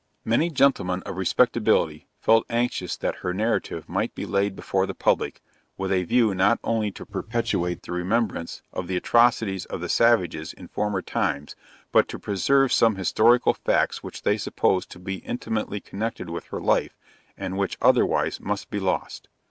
Many gentlemen of respectability, felt anxious that her narrative might be laid before the public, with a view not only to perpetuate the remembrance of the atrocities of the savages in former times, but to preserve some historical facts which they supposed to be intimately connected with her life, and which otherwise must be lost.